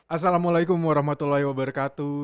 assalamualaikum warahmatullahi wabarakatuh